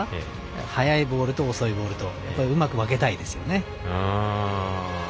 速いボールと遅いボールとうまく分けたいですよね。